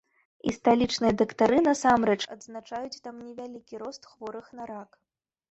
І сталічныя дактары насамрэч адзначаюць там невялікі рост хворых на рак.